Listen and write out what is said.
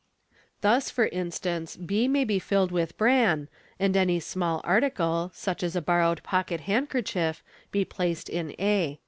Thus, for instance, b may be filled with bran, and any small article, such as a borrowed pocket handkerchief, be placed in a.